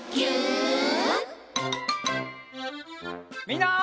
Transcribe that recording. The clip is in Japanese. みんな。